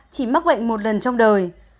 ba chỉ mắc bệnh một lần trong đời